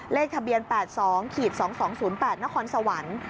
เลขทะเบียน๘๒๒๒๐๘นครสวรรค์